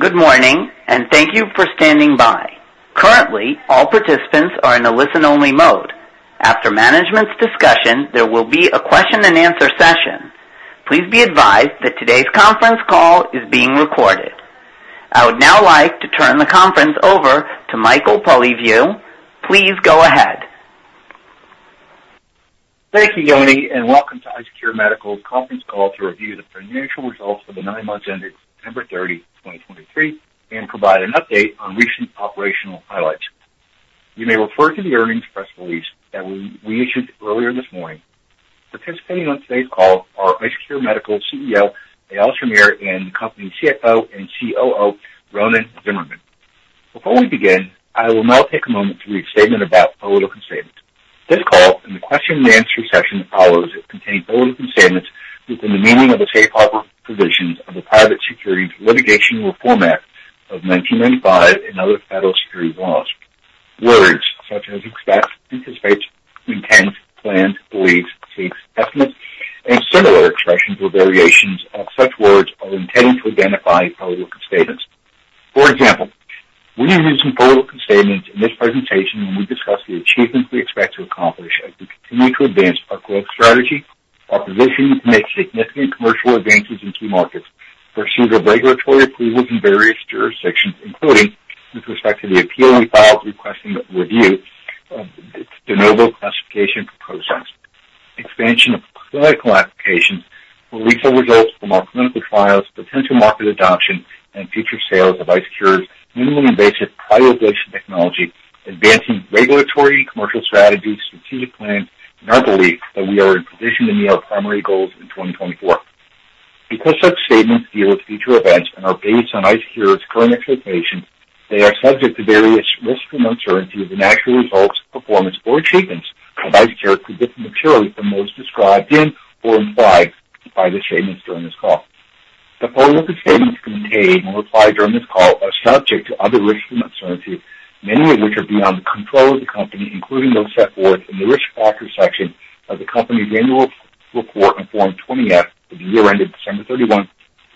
Good morning, and thank you for standing by. Currently, all participants are in a listen-only mode. After management's discussion, there will be a question-and-answer session. Please be advised that today's conference call is being recorded. I would now like to turn the conference over to Michael Polyviou. Please go ahead. Thank you, Yoni, and welcome to IceCure Medical's conference call to review the financial results for the nine months ended September 30, 2023, and provide an update on recent operational highlights. You may refer to the earnings press release that we issued earlier this morning. Participating on today's call are IceCure Medical's CEO, Eyal Shamir, and the company's CFO and COO, Ronen Tsimerman. Before we begin, I will now take a moment to read a statement about forward-looking statements. This call and the question-and-answer session that follows, it contains forward-looking statements within the meaning of the Safe Harbor provisions of the Private Securities Litigation Reform Act of 1995 and other federal security laws. Words such as expect, anticipate, intend, plan, believe, seek, estimate, and similar expressions or variations of such words are intended to identify forward-looking statements. For example, we are using forward-looking statements in this presentation when we discuss the achievements we expect to accomplish as we continue to advance our growth strategy, our position to make significant commercial advances in key markets, pursuit of regulatory approvals in various jurisdictions, including with respect to the appeal we filed requesting review of de novo classification for ProSense. Expansion of clinical applications for real results from our clinical trials, potential market adoption, and future sales of IceCure's minimally invasive cryoablation technology, advancing regulatory commercial strategy, strategic plans, and our belief that we are in position to meet our primary goals in 2024. Because such statements deal with future events and are based on IceCure's current expectations, they are subject to various risks and uncertainties, and actual results, performance, or achievements by IceCure could differ materially from those described in or implied by the statements during this call. The forward-looking statements contained and relied during this call are subject to other risks and uncertainties, many of which are beyond the control of the company, including those set forth in the Risk Factors section of the company's annual report on Form 20-F for the year ended December 31,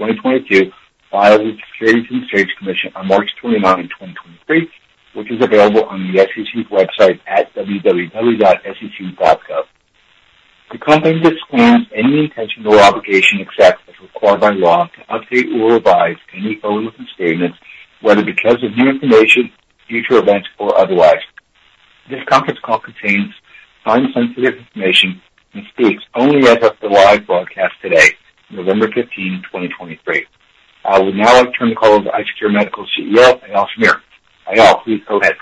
2022, filed with the Securities and Exchange Commission on March 29, 2023, which is available on the SEC's website at www.sec.gov. The company disclaims any intention or obligation except as required by law to update or revise any forward-looking statements, whether because of new information, future events, or otherwise. This conference call contains time-sensitive information and speaks only as of the live broadcast today, November 15, 2023. I would now like to turn the call over to IceCure Medical's CEO, Eyal Shamir. Eyal, please go ahead.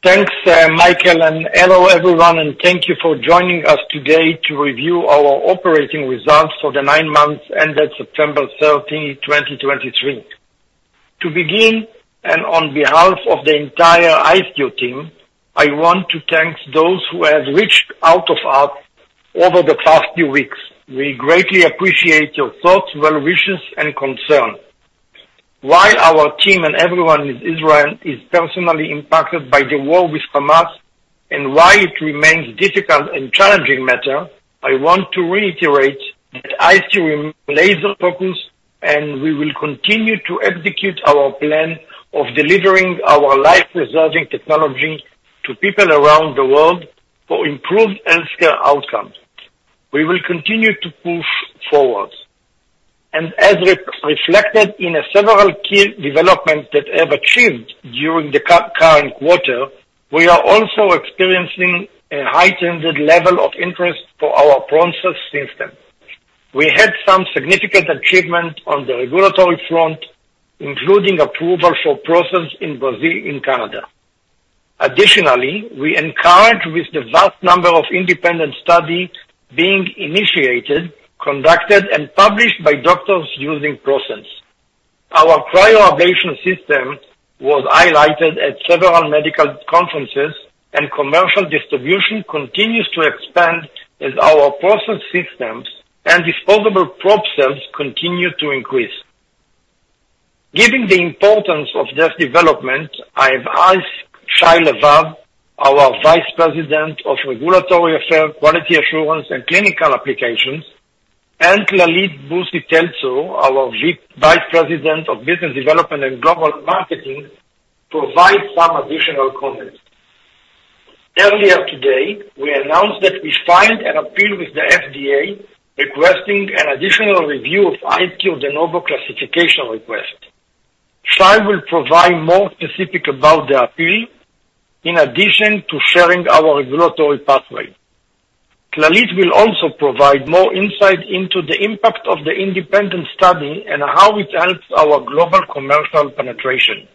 Thanks, Michael, and hello, everyone, and thank you for joining us today to review our operating results for the nine months ended September 30, 2023. To begin, and on behalf of the entire IceCure team, I want to thank those who have reached out to us over the past few weeks. We greatly appreciate your thoughts, well wishes and concern. While our team and everyone in Israel is personally impacted by the war with Hamas, and while it remains difficult and challenging matter, I want to reiterate that IceCure remains laser-focused, and we will continue to execute our plan of delivering our life-preserving technology to people around the world for improved healthcare outcomes. We will continue to push forward. And as reflected in several key developments that we have achieved during the current quarter, we are also experiencing a heightened level of interest for our ProSense system. We had some significant achievement on the regulatory front, including approval for ProSense in Brazil and Canada. Additionally, we are encouraged with the vast number of independent studies being initiated, conducted, and published by doctors using ProSense. Our cryoablation system was highlighted at several medical conferences, and commercial distribution continues to expand as our ProSense systems and disposable cryoprobes continue to increase. Given the importance of this development, I've asked Shay Levav, our Vice President of Regulatory Affairs, Quality Assurance and Clinical Applications, and Tlalit Bussi Tel-Tzure, our Vice President of Business Development and Global Marketing, to provide some additional comments. Earlier today, we announced that we filed an appeal with the FDA, requesting an additional review of IceCure de novo classification request. Shai will provide more specific about the appeal in addition to sharing our regulatory pathway. Tlalit will also provide more insight into the impact of the independent study and how it helps our global commercial penetration.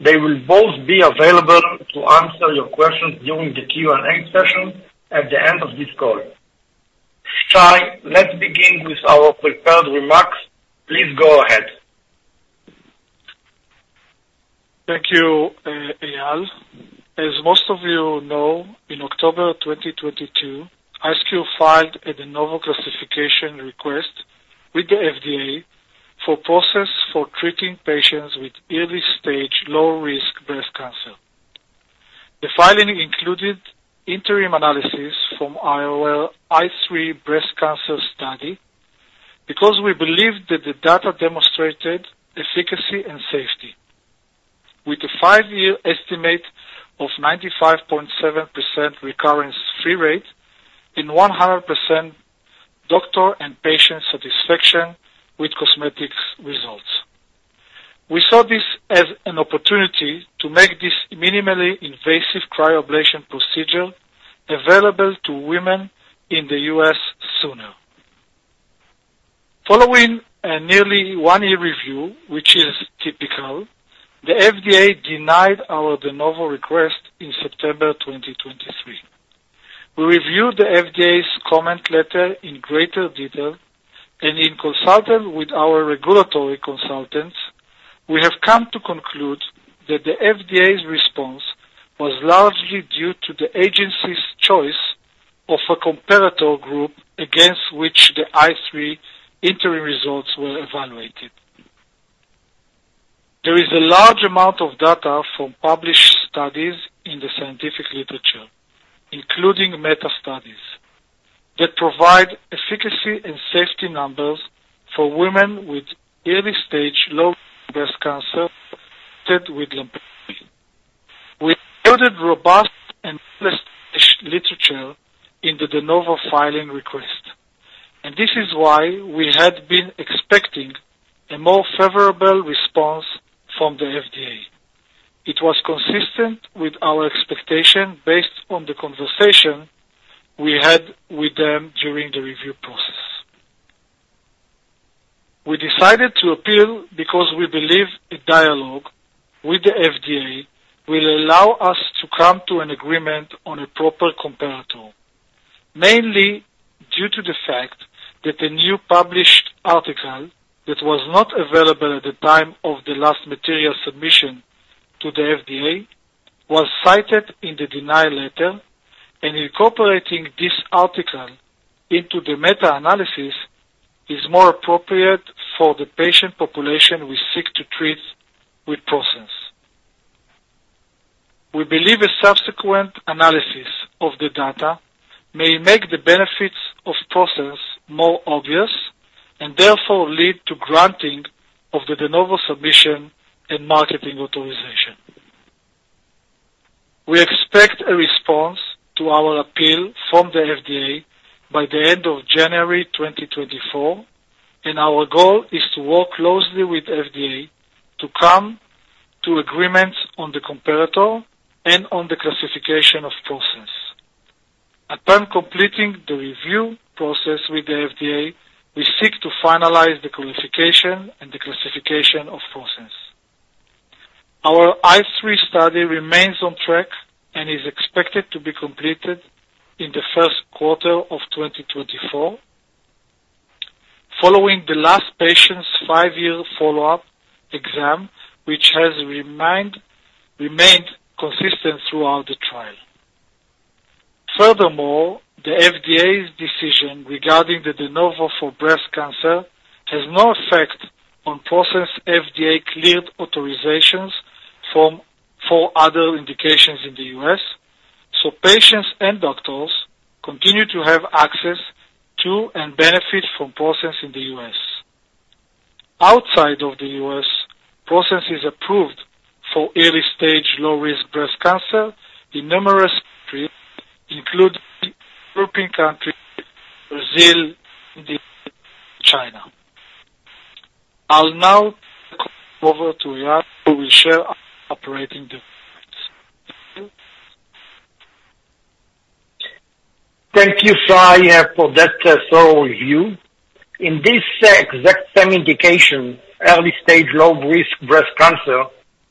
They will both be available to answer your questions during the Q&A session at the end of this call. Shai, let's begin with our prepared remarks. Please go ahead. Thank you, Eyal. As most of you know, in October 2022, IceCure filed a de novo classification request with the FDA for ProSense for treating patients with early-stage, low-risk breast cancer. The filing included interim analysis from ICE3 breast cancer study, because we believe that the data demonstrated efficacy and safety, with a five-year estimate of 95.7% recurrence-free rate and 100% doctor and patient satisfaction with cosmetic results. We saw this as an opportunity to make this minimally invasive cryoablation procedure available to women in the U.S. sooner. Following a nearly 1-year review, which is typical, the FDA denied our De Novo request in September 2023. We reviewed the FDA's comment letter in greater detail, and in consulting with our regulatory consultants, we have come to conclude that the FDA's response was largely due to the agency's choice of a comparator group against which the ICE3 interim results were evaluated. There is a large amount of data from published studies in the scientific literature, including meta-studies, that provide efficacy and safety numbers for women with early-stage low breast cancer treated with lumpectomy. We included robust literature in the De Novo filing request, and this is why we had been expecting a more favorable response from the FDA. It was consistent with our expectation based on the conversation we had with them during the review process. We decided to appeal because we believe a dialogue with the FDA will allow us to come to an agreement on a proper comparator, mainly due to the fact that a new published article that was not available at the time of the last material submission to the FDA, was cited in the denial letter, and incorporating this article into the meta-analysis is more appropriate for the patient population we seek to treat with ProSense. We believe a subsequent analysis of the data may make the benefits of ProSense more obvious, and therefore lead to granting of the De Novo submission and marketing authorization. We expect a response to our appeal from the FDA by the end of January 2024, and our goal is to work closely with FDA to come to agreements on the comparator and on the classification of ProSense. Upon completing the review process with the FDA, we seek to finalize the qualification and the classification of ProSense. Our ICE3 study remains on track and is expected to be completed in the first quarter of 2024, following the last patient's five-year follow-up exam, which has remained consistent throughout the trial. Furthermore, the FDA's decision regarding the de novo for breast cancer has no effect on ProSense FDA cleared authorizations from four other indications in the U.S., so patients and doctors continue to have access to, and benefit from ProSense in the U.S. Outside of the U.S., ProSense is approved for early-stage, low-risk breast cancer in numerous countries, including European countries, Brazil, China. I'll now hand over to Eyal, who will share our operating difference. Thank you, Shai, for that thorough review. In this exact same indication, early stage, low-risk breast cancer,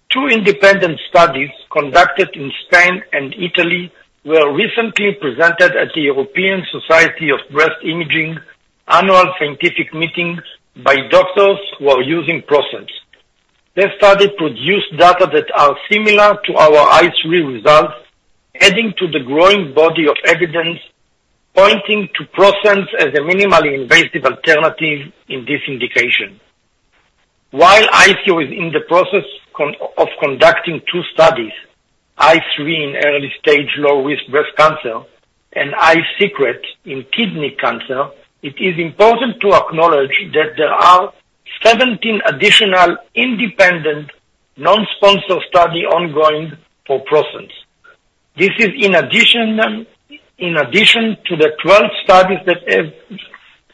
two independent studies conducted in Spain and Italy were recently presented at the European Society of Breast Imaging annual scientific meeting by doctors who are using ProSense. The study produced data that are similar to our ICE3 results, adding to the growing body of evidence pointing to ProSense as a minimally invasive alternative in this indication. While IceCure is in the process of conducting two studies, ICE3 in early stage low-risk breast cancer and ICESECRET in kidney cancer, it is important to acknowledge that there are 17 additional independent, non-sponsor studies ongoing for ProSense. This is in addition to the 12 studies that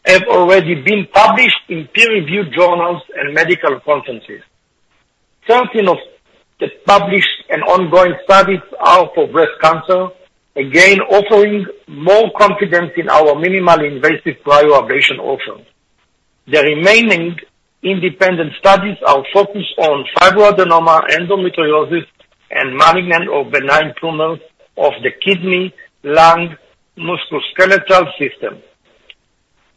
have already been published in peer-reviewed journals and medical conferences. 13 of the published and ongoing studies are for breast cancer, again, offering more confidence in our minimally invasive cryoablation option. The remaining independent studies are focused on fibroadenoma, endometriosis, and management of benign tumors of the kidney, lung, musculoskeletal system.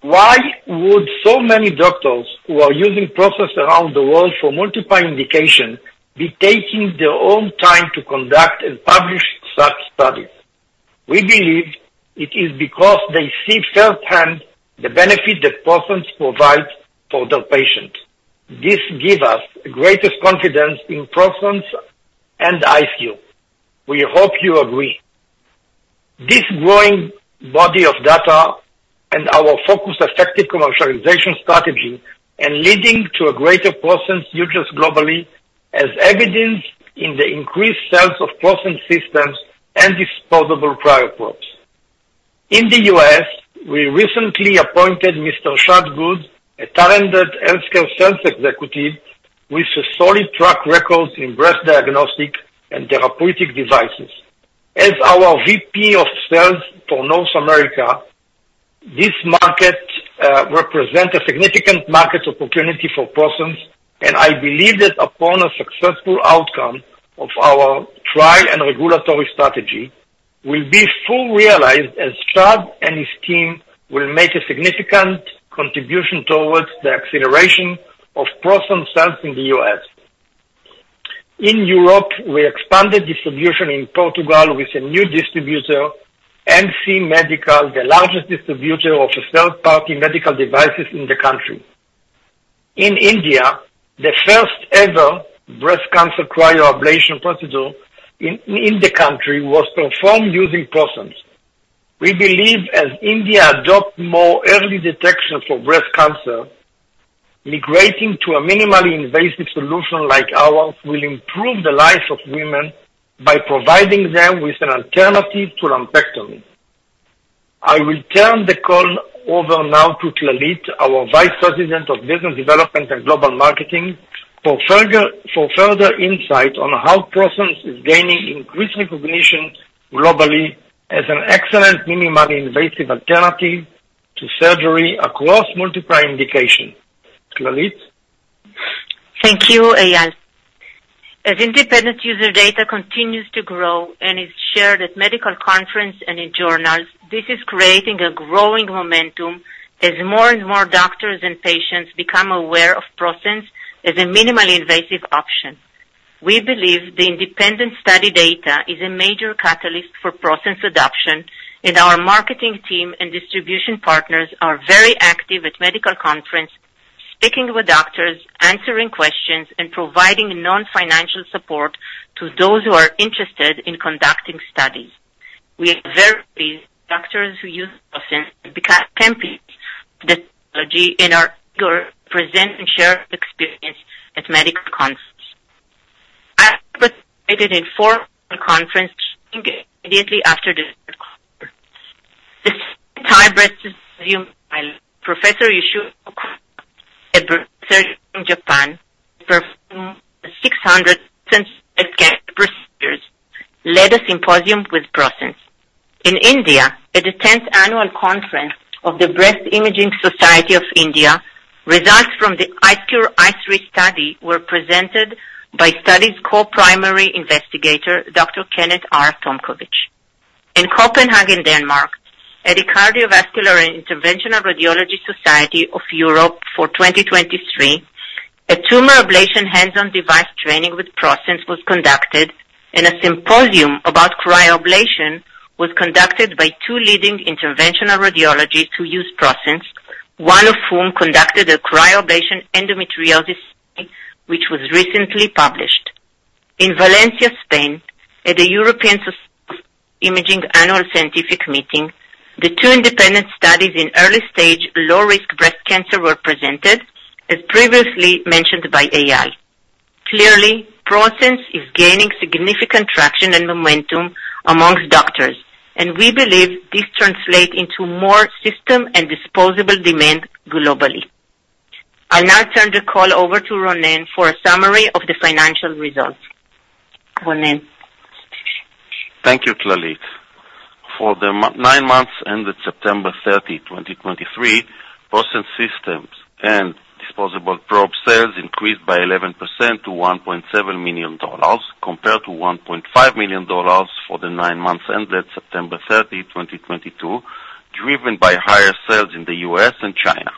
Why would so many doctors who are using ProSense around the world for multiple indications, be taking their own time to conduct and publish studies?... We believe it is because they see firsthand the benefit that ProSense provides for their patients. This give us the greatest confidence in ProSense and IceCure. We hope you agree. This growing body of data and our focused effective commercialization strategy are leading to a greater ProSense usage globally, as evidenced in the increased sales of ProSense systems and disposable cryoprobes. In the U.S., we recently appointed Mr. Chad Gude, a talented healthcare sales executive with a solid track record in breast diagnostic and therapeutic devices. As our Vice President of Sales for North America, this market represent a significant market opportunity for ProSense, and I believe that upon a successful outcome of our trial and regulatory strategy, will be fully realized, as Chad and his team will make a significant contribution towards the acceleration of ProSense sales in the U.S. In Europe, we expanded distribution in Portugal with a new distributor, NC Medical, the largest distributor of third-party medical devices in the country. In India, the first-ever breast cancer cryoablation procedure in the country was performed using ProSense. We believe as India adopt more early detection for breast cancer, migrating to a minimally invasive solution like ours, will improve the lives of women by providing them with an alternative to lumpectomy. I will turn the call over now to Tlalit, our Vice President of Business Development and Global Marketing, for further insight on how ProSense is gaining increased recognition globally as an excellent minimally invasive alternative to surgery across multiple indications. Tlalit? Thank you, Eyal. As independent user data continues to grow and is shared at medical conference and in journals, this is creating a growing momentum as more and more doctors and patients become aware of ProSense as a minimally invasive option. We believe the independent study data is a major catalyst for ProSense adoption, and our marketing team and distribution partners are very active at medical conference, speaking with doctors, answering questions, and providing non-financial support to those who are interested in conducting studies. We are very pleased doctors who use ProSense become champions of the technology and are present and share experience at medical conferences. I participated in four conferences immediately after the call. This time, Professor Eisuke from Japan, 600+ procedures, led a symposium with ProSense. In India, at the tenth Annual Conference of the Breast Imaging Society of India, results from the IceCure ICE3 study were presented by the study's co-primary investigator, Dr. Kenneth R. Tomkovich. In Copenhagen, Denmark, at the Cardiovascular and Interventional Radiology Society of Europe for 2023, a tumor ablation hands-on device training with ProSense was conducted, and a symposium about cryoablation was conducted by two leading interventional radiologists who use ProSense, one of whom conducted a cryoablation endometriosis, which was recently published. In Valencia, Spain, at the European Society of Breast Imaging Annual Scientific Meeting, the two independent studies in early-stage, low-risk breast cancer were presented, as previously mentioned by Eyal. Clearly, ProSense is gaining significant traction and momentum amongst doctors, and we believe this translate into more system and disposable demand globally. I'll now turn the call over to Ronen for a summary of the financial results. Ronen? Thank you, Tlalit. For the nine months ended September 30, 2023, ProSense systems and disposable probe sales increased by 11% to $1.7 million, compared to $1.5 million for the nine months ended September 30, 2022, driven by higher sales in the U.S. and China.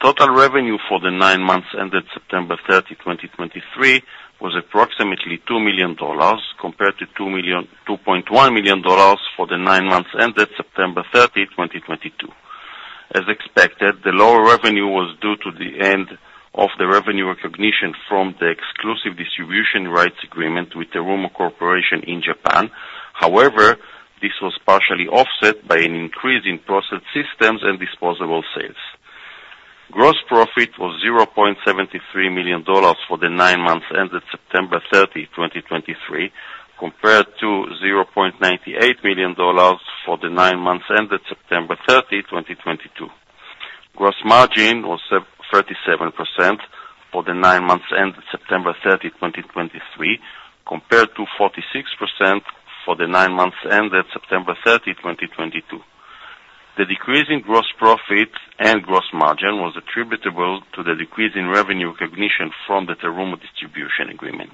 Total revenue for the nine months ended September 30, 2023, was approximately $2 million, compared to $2.1 million for the nine months ended September 30, 2022. As expected, the lower revenue was due to the end of the revenue recognition from the exclusive distribution rights agreement with the Terumo Corporation in Japan. However, this was partially offset by an increase in ProSense systems and disposable sales. Gross profit was $0.73 million for the nine months ended September 30, 2023, compared to $0.98 million for the nine months ended September 30, 2022. Gross margin was 37% for the nine months ended September 30, 2023, compared to 46% for the nine months ended September 30, 2022. The decrease in gross profit and gross margin was attributable to the decrease in revenue recognition from the Terumo distribution agreement.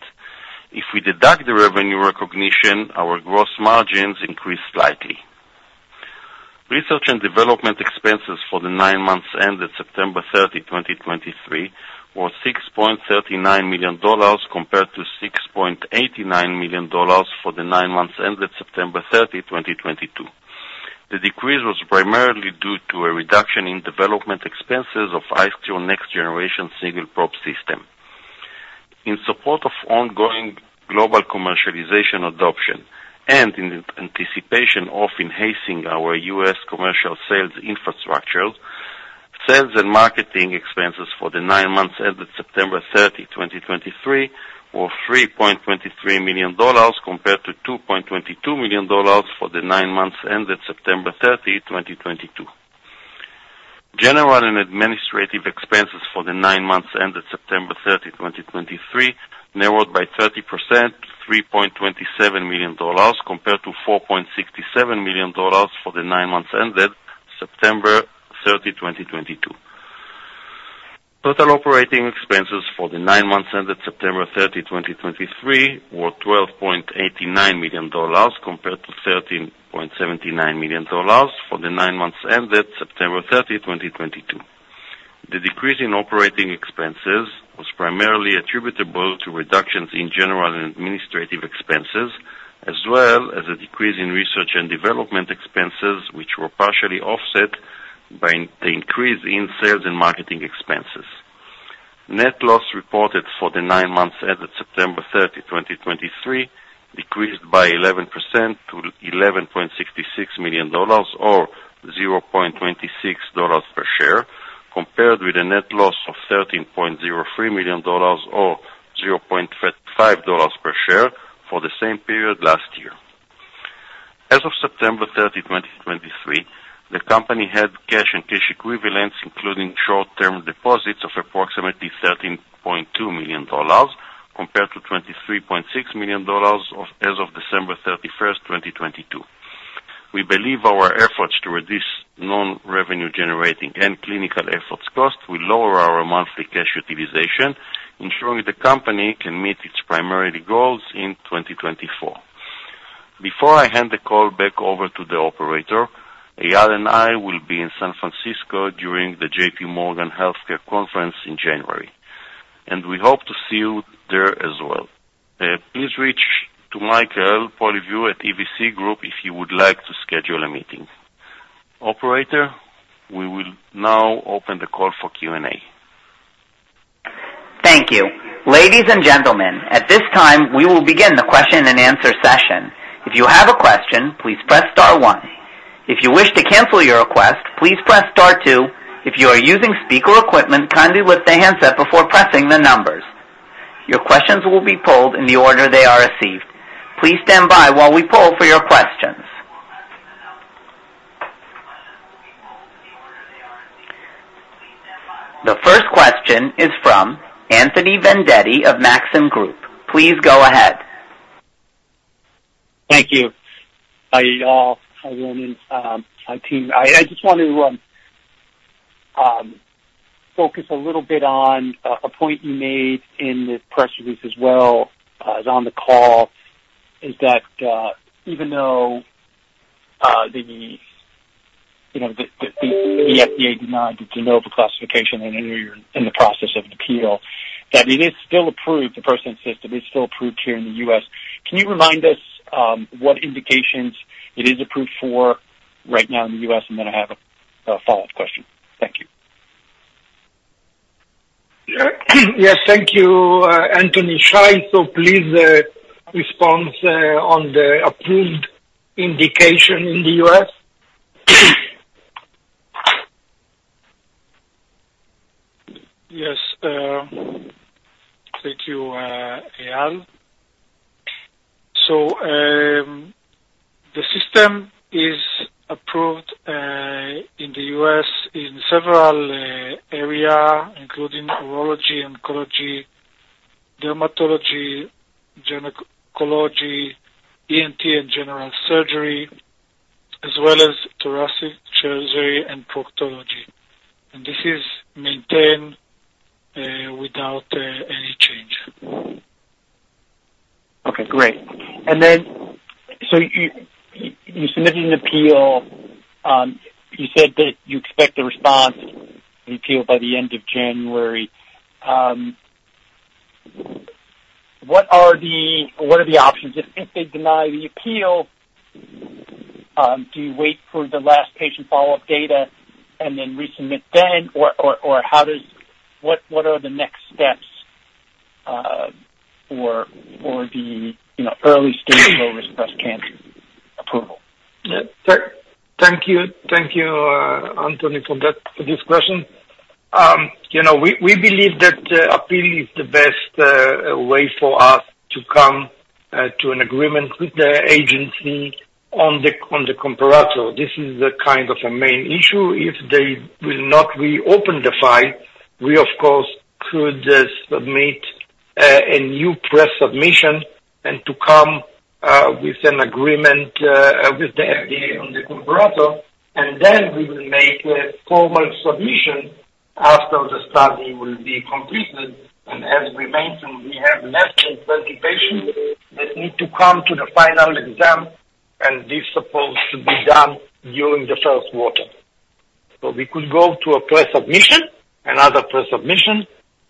If we deduct the revenue recognition, our gross margins increased slightly. Research and development expenses for the nine months ended September 30, 2023, were $6.39 million compared to $6.89 million for the nine months ended September 30, 2022. The decrease was primarily due to a reduction in development expenses of its next generation single probe system. In support of ongoing global commercialization adoption and in anticipation of enhancing our U.S. commercial sales infrastructure, sales and marketing expenses for the nine months ended September 30, 2023, were $3.23 million, compared to $2.22 million for the nine months ended September 30, 2022. General and administrative expenses for the nine months ended September 30, 2023, narrowed by 30% to $3.27 million, compared to $4.67 million for the nine months ended September 30, 2022. Total operating expenses for the nine months ended September 30, 2023, were $12.89 million, compared to $13.79 million for the nine months ended September 30, 2022. The decrease in operating expenses was primarily attributable to reductions in general and administrative expenses, as well as a decrease in research and development expenses, which were partially offset by the increase in sales and marketing expenses. Net loss reported for the nine months ended September 30, 2023, decreased by 11% to $11.66 million, or $0.26 per share, compared with a net loss of $13.03 million or $0.5 per share for the same period last year. As of September 30, 2023, the company had cash and cash equivalents, including short term deposits of approximately $13.2 million, compared to $23.6 million of- as of December 31, 2022. We believe our efforts to reduce non-revenue generating and clinical efforts costs will lower our monthly cash utilization, ensuring the company can meet its primary goals in 2024. Before I hand the call back over to the operator, Eyal and I will be in San Francisco during the J.P. Morgan Healthcare Conference in January, and we hope to see you there as well. Please reach to Michael Polyviou at EVC Group if you would like to schedule a meeting. Operator, we will now open the call for Q&A. Thank you. Ladies and gentlemen, at this time, we will begin the question and answer session. If you have a question, please press star one. If you wish to cancel your request, please press star two. If you are using speaker equipment, kindly lift the handset before pressing the numbers. Your questions will be polled in the order they are received. Please stand by while we poll for your questions. The first question is from Anthony Vendetti of Maxim Group. Please go ahead. Thank you. Hi, Eyal. Hi, Ronen. Hi, team. I just wanted to focus a little bit on a point you made in the press release as well, as on the call, is that even though, you know, the FDA denied the de novo classification, and you're in the process of an appeal, that it is still approved, the first system is still approved here in the U.S. Can you remind us, what indications it is approved for right now in the U.S.? And then I have a follow-up question. Thank you. Yes, thank you, Anthony. Shai, so please respond on the approved indication in the U.S. Yes, thank you, Eyal. So, the system is approved in the U.S. in several area, including urology, oncology, dermatology, gynecology, ENT and general surgery, as well as thoracic surgery and proctology. And this is maintained without any change. Okay, great. And then, so you submitted an appeal. You said that you expect a response to the appeal by the end of January. What are the options if they deny the appeal? Do you wait for the last patient follow-up data and then resubmit then? Or how does... What are the next steps for the early stage breast cancer approval? Yeah. Thank you. Thank you, Anthony, for that, this question. You know, we believe that appeal is the best way for us to come to an agreement with the agency on the comparator. This is the kind of a main issue. If they will not reopen the file, we of course could submit a new pre-submission and to come with an agreement with the FDA on the comparator, and then we will make a formal submission.... study will be completed, and as we mentioned, we have less than 30 patients that need to come to the final exam, and this supposed to be done during the first quarter. So we could go to a pre-submission, another pre-submission,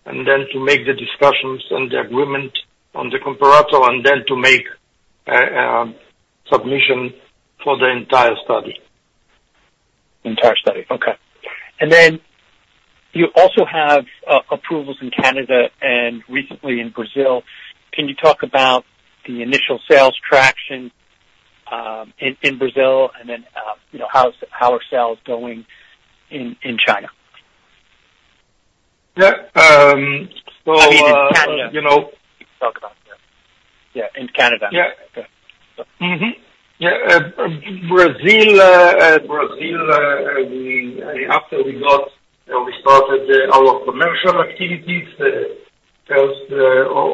and then to make the discussions and the agreement on the comparator, and then to make submission for the entire study. Entire study. Okay. And then you also have approvals in Canada and recently in Brazil. Can you talk about the initial sales traction in Brazil, and then you know, how are sales going in China? Yeah, so- I mean, in Canada. You know. Talk about. Yeah, in Canada. Yeah. Okay. Mm-hmm. Yeah, Brazil, Brazil, we after we got, we started our commercial activities, the first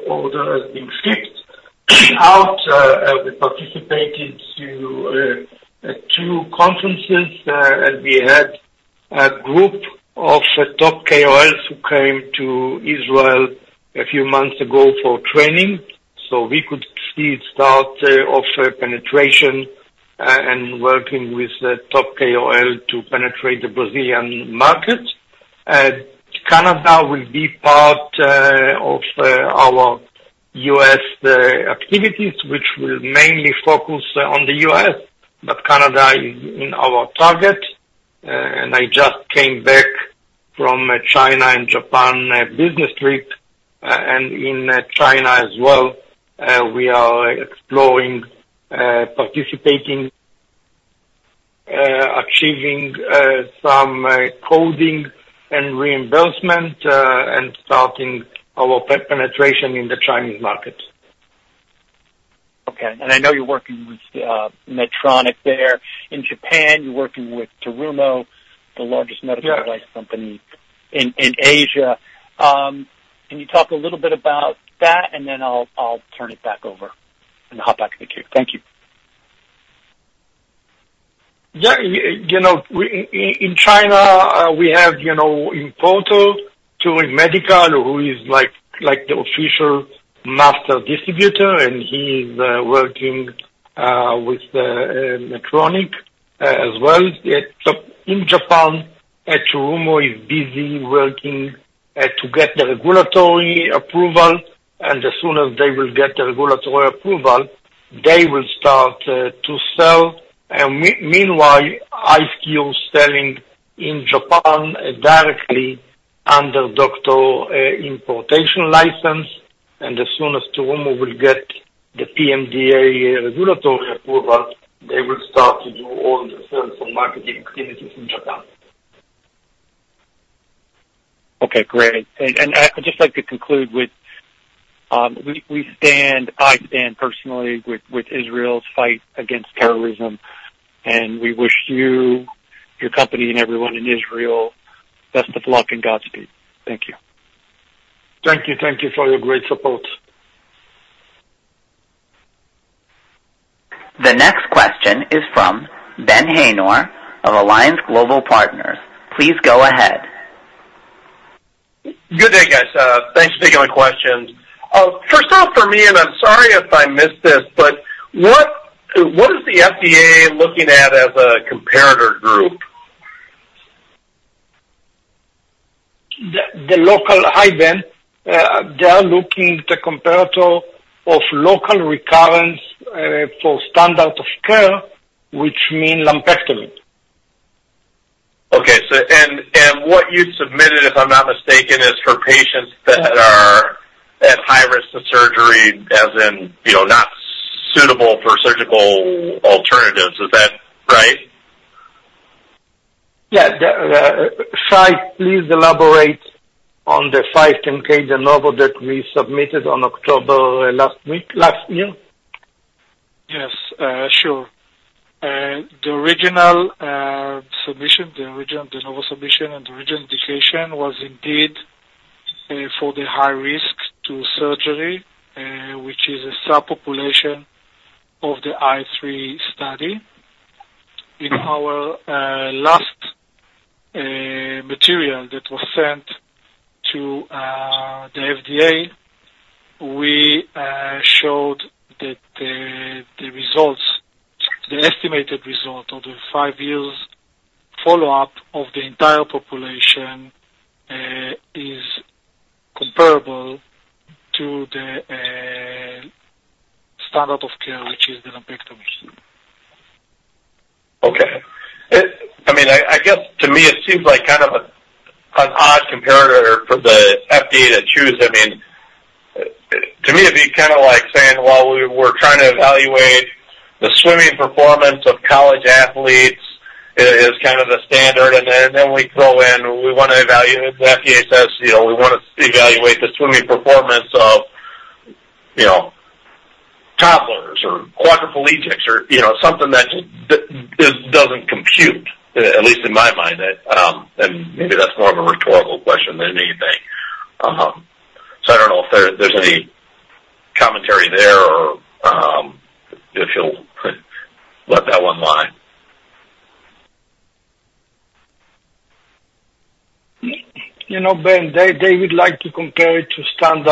order has been shipped out. We participated to two conferences, and we had a group of top KOLs who came to Israel a few months ago for training, so we could see start of penetration, and working with the top KOL to penetrate the Brazilian market. Canada will be part of our U.S. activities, which will mainly focus on the U.S., but Canada is in our target. And I just came back from China and Japan business trip. And in China as well, we are exploring participating achieving some coding and reimbursement, and starting our penetration in the Chinese market. Okay. I know you're working with Medtronic there. In Japan, you're working with Terumo, the largest- Yeah. medical device company in Asia. Can you talk a little bit about that? Then I'll turn it back over and hop back in the queue. Thank you. Yeah, you know, in China, we have, you know, importer, Terumo, who is like, the official master distributor, and he is working with the Medtronic as well. So in Japan, Terumo is busy working to get the regulatory approval, and as soon as they will get the regulatory approval, they will start to sell. And meanwhile, I'm still selling in Japan directly under doctor importation license, and as soon as Terumo will get the PMDA regulatory approval, they will start to do all the sales and marketing activities in Japan. Okay, great. And I'd just like to conclude with, we stand, I stand personally with Israel's fight against terrorism, and we wish you, your company, and everyone in Israel, best of luck and Godspeed. Thank you. Thank you. Thank you for your great support. The next question is from Ben Haynor of Alliance Global Partners. Please go ahead. Good day, guys. Thanks for taking my questions. First off for me, and I'm sorry if I missed this, but what, what is the FDA looking at as a comparator group? Hi, Ben. They are looking the comparator of local recurrence for standard of care, which mean lumpectomy. Okay, so what you submitted, if I'm not mistaken, is for patients that are at high risk of surgery, as in, you know, not suitable for surgical alternatives. Is that right? Yeah. The Shai, please elaborate on the 510(k) de novo that we submitted on October last week, last year. Yes, sure. The original submission, the original de novo submission and the original indication was indeed for the high risk to surgery, which is a subpopulation of the ICE3 study. In our last material that was sent to the FDA, we showed that the results, the estimated result of the five-year follow-up of the entire population is comparable to the standard of care, which is the lumpectomy. Okay. I mean, I guess to me, it seems like kind of an odd comparator for the FDA to choose. I mean, to me, it'd be kind of like saying, well, we're trying to evaluate the swimming performance of college athletes is kind of the standard, and then we throw in, we want to evaluate, the FDA says, you know, we want to evaluate the swimming performance of, you know, toddlers or quadriplegics or, you know, something that just, it doesn't compute, at least in my mind. And maybe that's more of a rhetorical question than anything. So I don't know if there's any commentary there or-... You know, Ben, they would like to compare it to standard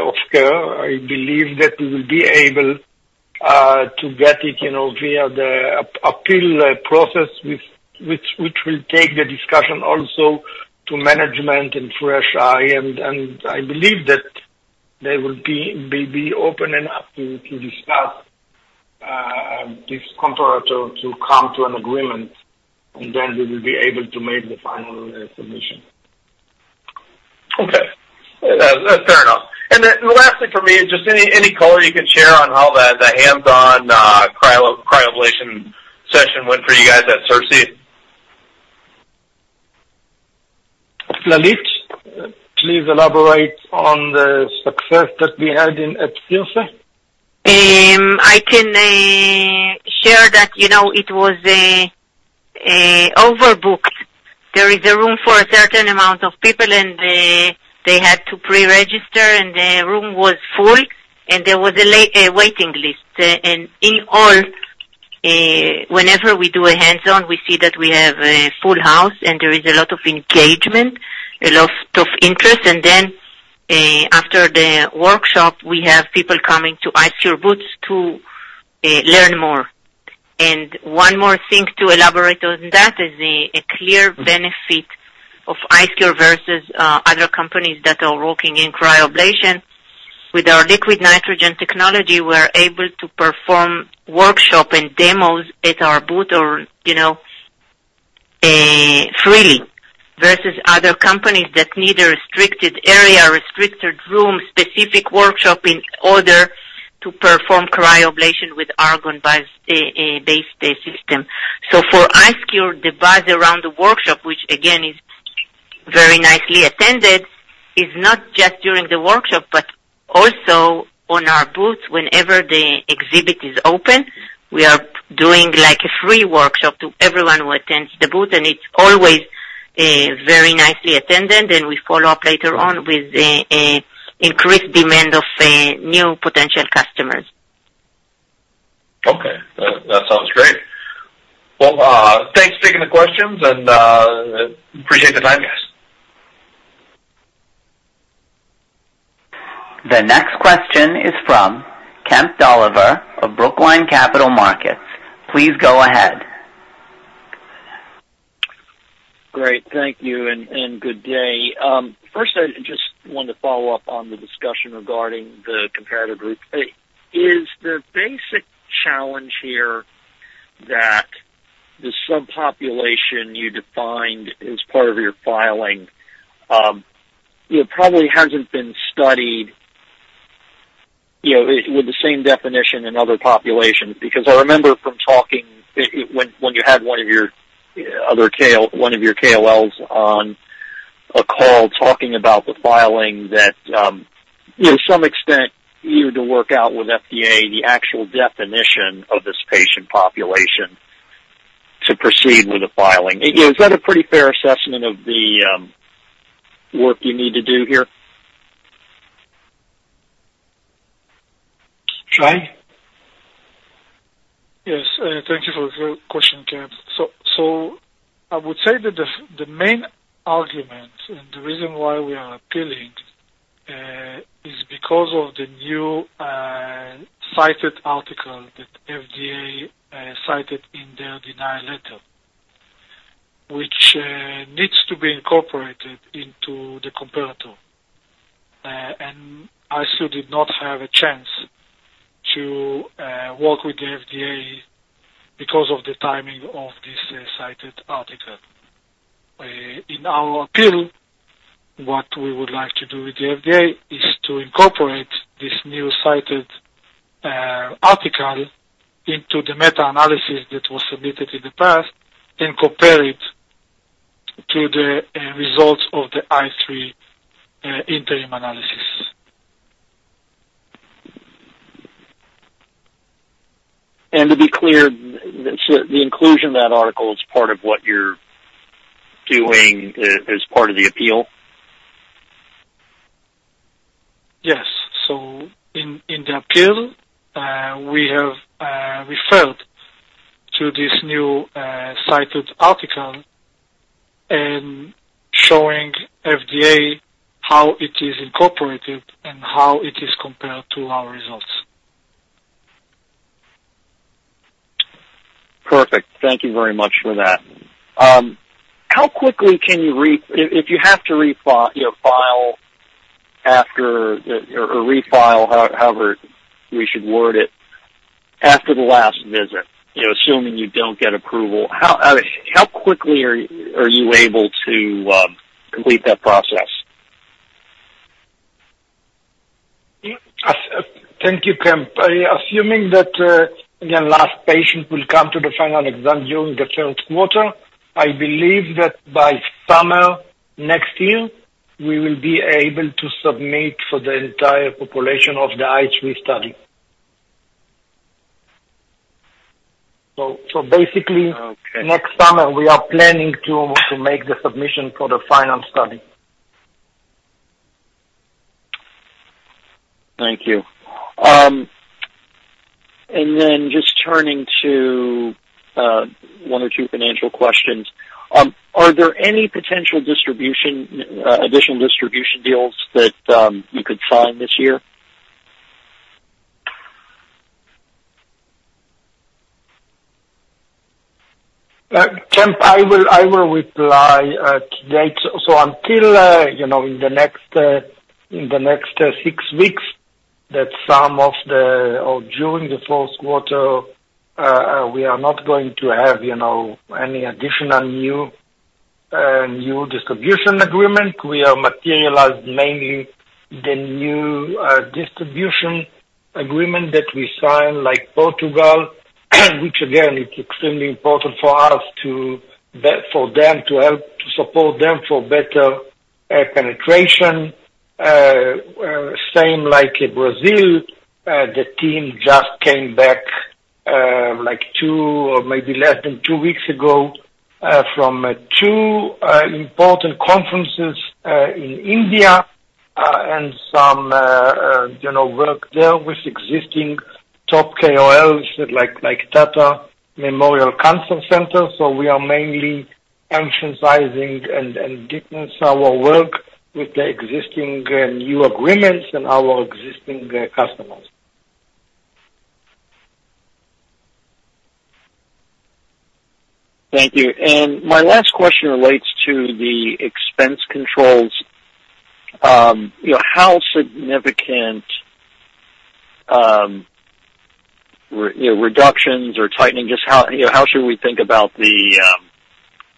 of care. I believe that we will be able to get it, you know, via the appeal process, which will take the discussion also to management and fresh eyes, and I believe that they will be open enough to discuss this comparator to come to an agreement, and then we will be able to make the final submission. Okay. That's fair enough. And then the last thing for me is just any color you can share on how the hands-on cryoablation session went for you guys at CIRSE? Tlalit, please elaborate on the success that we had in at CIRSE. I can share that, you know, it was overbooked. There is a room for a certain amount of people, and they had to pre-register, and the room was full, and there was a waiting list. And in all, whenever we do a hands-on, we see that we have a full house, and there is a lot of engagement, a lot of interest. And then, after the workshop, we have people coming to IceCure booths to learn more. And one more thing to elaborate on that is a clear benefit of IceCure versus other companies that are working in cryoablation. With our liquid nitrogen technology, we're able to perform workshop and demos at our booth or, you know, freely, versus other companies that need a restricted area, restricted room, specific workshop in order to perform cryoablation with argon-based based system. So for IceCure, the buzz around the workshop, which again is very nicely attended, is not just during the workshop, but also on our booth. Whenever the exhibit is open, we are doing like a free workshop to everyone who attends the booth, and it's always very nicely attended, and we follow up later on with increased demand of new potential customers. Okay. That sounds great. Well, thanks for taking the questions, and appreciate the time, guys. The next question is from Kemp Dolliver of Brookline Capital Markets. Please go ahead. Great, thank you, and good day. First, I just wanted to follow up on the discussion regarding the comparator group. Is the basic challenge here that the subpopulation you defined as part of your filing, it probably hasn't been studied, you know, with the same definition in other populations? Because I remember from talking when you had one of your other KOLs on a call talking about the filing, that, you know, to some extent you had to work out with FDA the actual definition of this patient population to proceed with the filing. Is that a pretty fair assessment of the work you need to do here? Shai? Yes. Thank you for the question, Kemp. So, I would say that the main argument and the reason why we are appealing is because of the new cited article that FDA cited in their denial letter, which needs to be incorporated into the comparator. And IceCure did not have a chance to work with the FDA because of the timing of this cited article. In our appeal, what we would like to do with the FDA is to incorporate this new cited article into the meta-analysis that was submitted in the past and compare it to the results of the ICE3 interim analysis. To be clear, so the inclusion of that article is part of what you're doing as part of the appeal? Yes. So in the appeal, we have referred to this new cited article and showing FDA how it is incorporated and how it is compared to our results. Perfect. Thank you very much for that. How quickly can you refile after the last visit, you know, assuming you don't get approval, how quickly are you able to complete that process? Thank you, Kemp. Assuming that the last patient will come to the final exam during the third quarter, I believe that by summer next year, we will be able to submit for the entire population of the ICE3 study. So, basically- Okay. Next summer, we are planning to make the submission for the final study.... Thank you. And then just turning to, one or two financial questions. Are there any potential distribution, additional distribution deals that, you could sign this year? Kemp, I will reply to that. So until, you know, in the next six weeks, that some of the, or during the fourth quarter, we are not going to have, you know, any additional new new distribution agreement. We are materialized mainly the new distribution agreement that we sign, like Portugal, which again, is extremely important for us to be- for them to help to support them for better penetration. Same like in Brazil. The team just came back, like two or maybe less than two weeks ago, from two important conferences in India, and some, you know, work there with existing top KOLs, like Tata Memorial Cancer Center. So we are mainly emphasizing and deepen our work with the existing new agreements and our existing customers. Thank you. My last question relates to the expense controls. You know, how significant, you know, reductions or tightening, just how, you know, how should we think about the,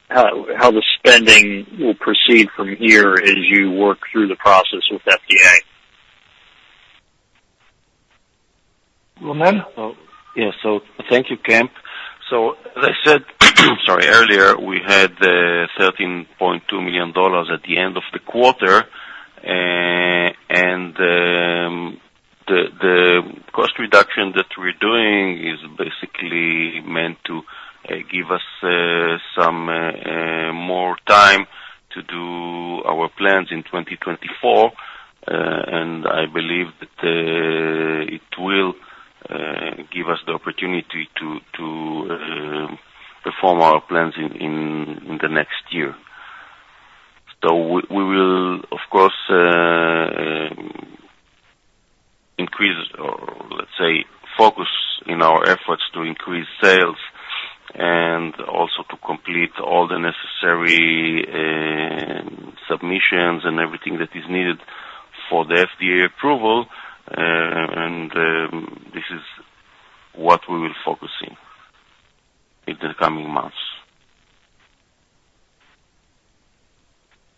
how the spending will proceed from here as you work through the process with FDA? Ronen? Yeah. So thank you, Kemp. So as I said, sorry, earlier, we had $13.2 million at the end of the quarter. And the cost reduction that we're doing is basically meant to give us some more time to do our plans in 2024. And I believe that it will give us the opportunity to perform our plans in the next year. So we will, of course, increase, or let's say, focus in our efforts to increase sales and also to complete all the necessary submissions and everything that is needed for the FDA approval. And this is what we will focus in the coming months.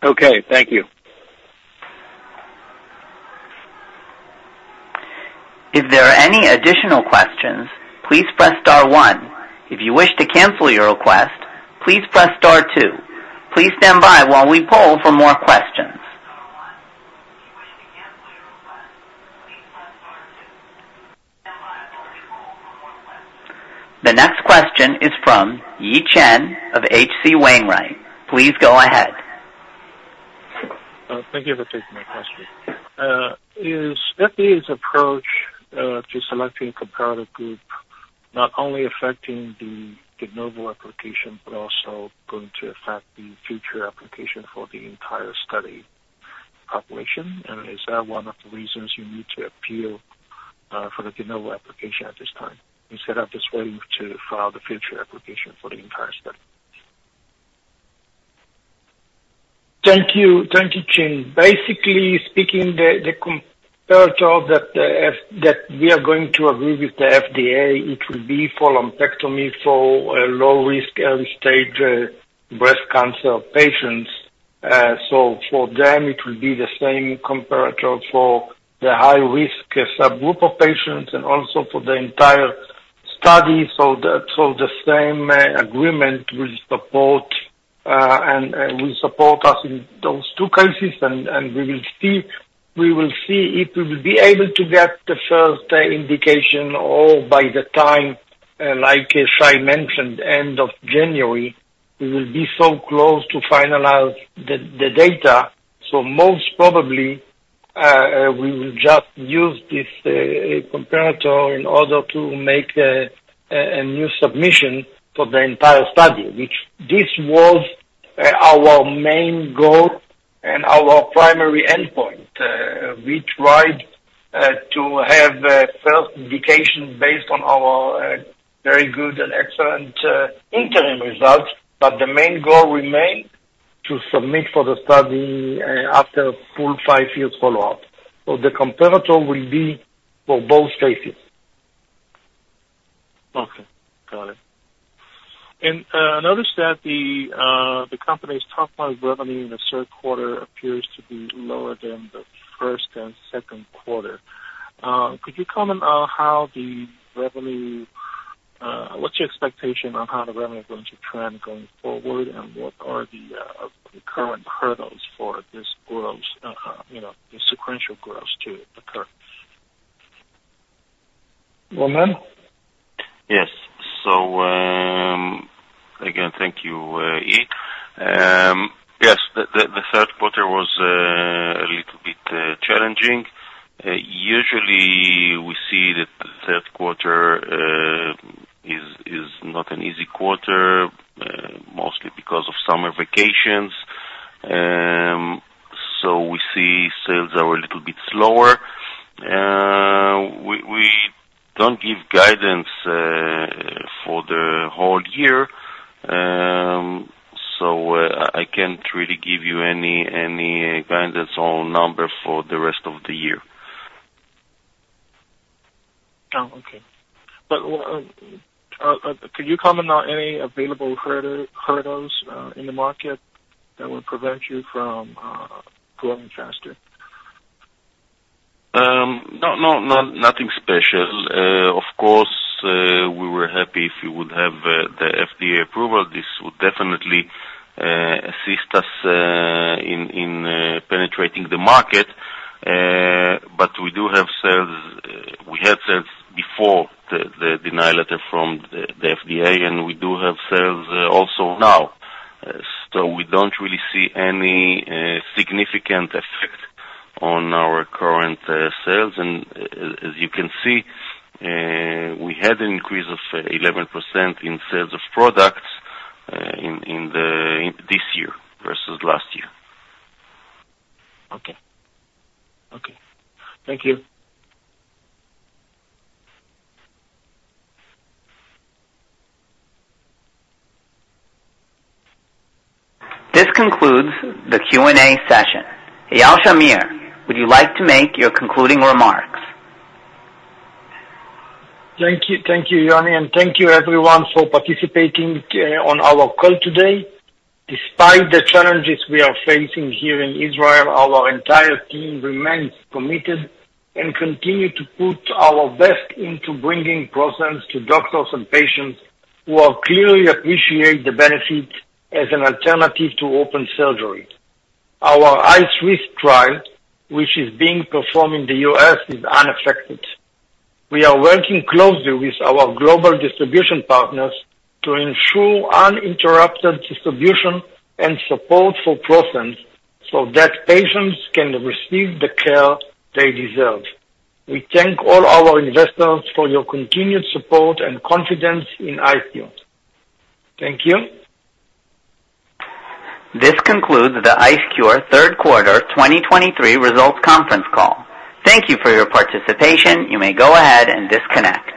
Okay. Thank you. If there are any additional questions, please press star one. If you wish to cancel your request, please press star two. Please stand by while we poll for more questions. The next question is from Yi Chen of H.C. Wainwright. Please go ahead. Thank you for taking my question. Is FDA's approach to selecting comparative group not only affecting the de novo application, but also going to affect the future application for the entire study population? Is that one of the reasons you need to appeal for the de novo application at this time, instead of just waiting to file the future application for the entire study? Thank you. Thank you, Chen. Basically speaking, the comparator that we are going to agree with the FDA, it will be for lumpectomy for low risk, early stage breast cancer patients. So for them, it will be the same comparator for the high risk subgroup of patients and also for the entire study. So the same agreement will support and will support us in those two cases. And we will see, we will see if we will be able to get the first indication or by the time, like Shai mentioned, end of January, we will be so close to finalize the data. So most probably, we will just use this comparator in order to make a new submission for the entire study, which this was our main goal and our primary endpoint. We tried to have first indication based on our very good and excellent interim results, but the main goal remained to submit for the study after full five years follow-up. So the comparator will be for both phases. Okay, got it. And, I noticed that the company's top line revenue in the third quarter appears to be lower than the first and second quarter. Could you comment on how the revenue... What's your expectation on how the revenue is going to trend going forward, and what are the current hurdles for this growth, you know, the sequential growth to occur?... Ronen? Yes. So, again, thank you, Yi. Yes, the third quarter was a little bit challenging. Usually we see that the third quarter is not an easy quarter, mostly because of summer vacations. So we see sales are a little bit slower. We don't give guidance for the whole year, so I can't really give you any guidance on number for the rest of the year. Oh, okay. But could you comment on any available hurdles in the market that would prevent you from growing faster? No, no, no, nothing special. Of course, we were happy if you would have the FDA approval. This would definitely assist us in penetrating the market. But we do have sales—we had sales before the denial letter from the FDA, and we do have sales also now. So we don't really see any significant effect on our current sales. And as you can see, we had an increase of 11% in sales of products in this year versus last year. Okay. Okay. Thank you. This concludes the Q&A session. Eyal Shamir, would you like to make your concluding remarks? Thank you. Thank you, Yoni, and thank you everyone for participating on our call today. Despite the challenges we are facing here in Israel, our entire team remains committed and continue to put our best into bringing ProSense to doctors and patients who are clearly appreciate the benefit as an alternative to open surgery. Our ICE3 trial, which is being performed in the US, is unaffected. We are working closely with our global distribution partners to ensure uninterrupted distribution and support for ProSense, so that patients can receive the care they deserve. We thank all our investors for your continued support and confidence in IceCure. Thank you. This concludes the IceCure third quarter 2023 results conference call. Thank you for your participation. You may go ahead and disconnect.